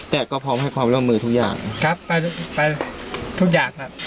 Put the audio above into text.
แต่ก็พร้อมให้ความร่วมมือทุกอย่างครับไปไปทุกอย่างครับ